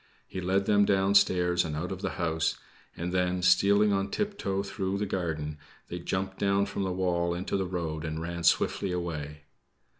He led them downstairs and out of the house; and then, stealing on tiptoe through the garden, they jumped down from the wall into the road and ran swiftly away.